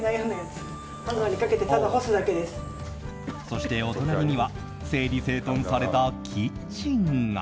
そして、お隣には整理整頓されたキッチンが。